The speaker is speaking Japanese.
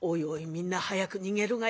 みんな早く逃げるがや」。